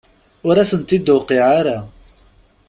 Ur asent-d-tuqiɛ ara.